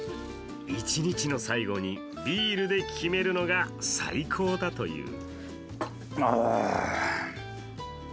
一日の最後にビールで決めるのが最高だという。